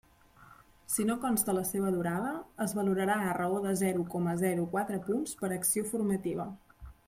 Si no consta la seva durada, es valorarà a raó de zero coma zero quatre punts per acció formativa.